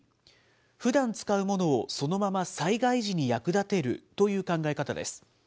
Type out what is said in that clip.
ふだん使うものを、そのまま災害時に役立てるという考え方です。